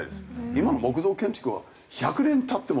今の木造建築は１００年経っても大丈夫。